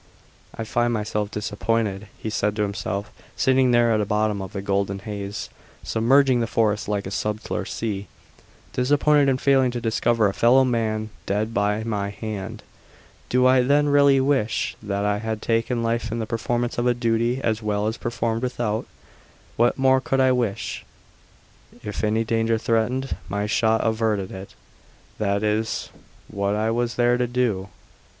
"I find myself disappointed," he said to himself, sitting there at the bottom of the golden haze submerging the forest like a subtler sea "disappointed in failing to discover a fellow man dead by my hand! Do I then really wish that I had taken life in the performance of a duty as well performed without? What more could I wish? If any danger threatened, my shot averted it; that is what I was there to do.